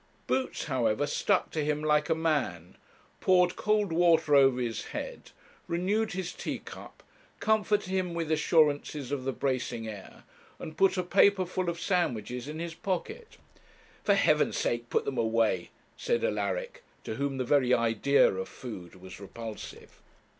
Boots, however, stuck to him like a man, poured cold water over his head, renewed his tea cup, comforted him with assurances of the bracing air, and put a paper full of sandwiches in his pocket. 'For heaven's sake put them away,' said Alaric, to whom the very idea of food was repulsive.